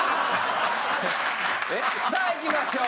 さあいきましょう。